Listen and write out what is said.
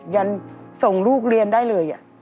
ยังส่งลูกเรียนได้เลย